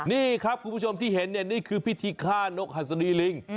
นี่ครับคุณผู้ชมที่เห็นเนี่ยนี่คือพิธีฆ่านกหัสดีลิง